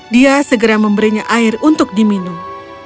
dia segera memberinya air untuk diminum